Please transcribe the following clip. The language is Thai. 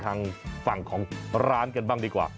ทางฝั่งของร้านกันบ้างดีกว่า